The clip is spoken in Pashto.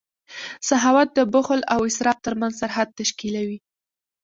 سخاوت د بخل او اسراف ترمنځ سرحد تشکیلوي.